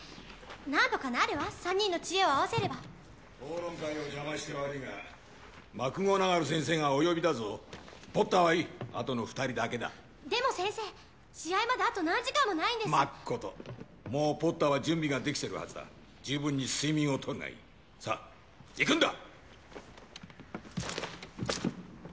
何とかなるわ３人の知恵を合わせれば討論会を邪魔して悪いがマクゴナガル先生がお呼びだぞポッターはいいあとの２人だけだでも先生試合まであと何時間もないんですまっこともうポッターは準備ができてるはずだ十分に睡眠をとるがいいさあ行くんだ！